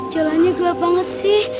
jalannya gelap banget sih